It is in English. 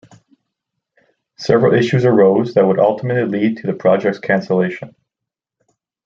Several issues arose that would ultimately lead to the project's cancellation.